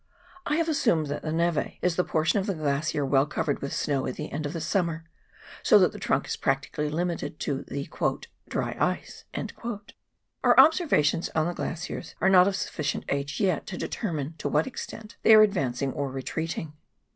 I have assumed that the neve is that portion of the glacier well covered with snow at the end of the summer, so that the trunk is practically limited to the " dry ice." Our observations on the glaciers are not of sufficient age yet to determine to what extent they are advancing or retreating.